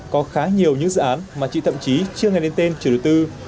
có khá nhiều những dự án mà chị thậm chí chưa nghe lên tên chủ đầu tư